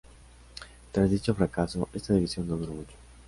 Tras dicho fracaso esta división no duró mucho.